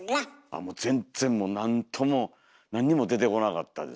もう全然なんともなんにも出てこなかったです。